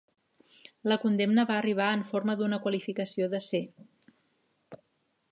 La condemna va arribar en forma d'una qualificació de "C".